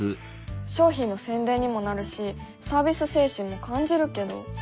商品の宣伝にもなるしサービス精神も感じるけど。